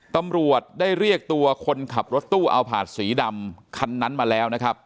ตำรวจได้เรียกตัวคนขับรถตู้เอาผาดสีดำคันนั้นมาแล้วนะครับ